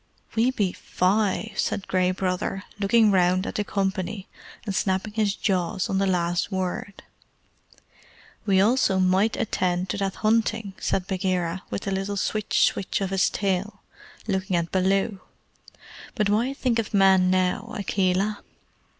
"We be FIVE," said Gray Brother, looking round at the company, and snapping his jaws on the last word. "We also might attend to that hunting," said Bagheera, with a little switch switch of his tail, looking at Baloo. "But why think of men now, Akela?"